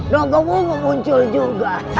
nonggok bungu muncul juga